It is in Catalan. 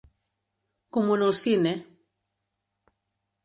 Como en el cine.